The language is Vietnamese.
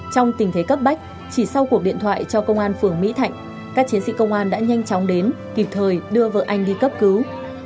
trong tình thế cấp bách chỉ sau cuộc điện thoại cho công an phường mỹ thạnh các chiến sĩ công an đã nhanh chóng đến kịp thời đưa vợ anh đi cấp cứu